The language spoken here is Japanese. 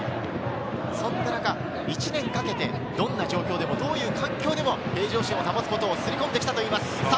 そんな中、１年かけてどんな状況でもどんな環境でも平常心を保つことをすり込んできたといいます。